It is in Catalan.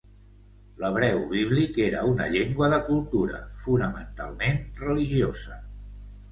L'hebreu bíblic era una llengua de cultura, fonamentalment religiosa.